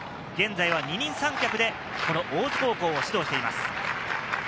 現在は二人三脚でこの大津高校を指導しています。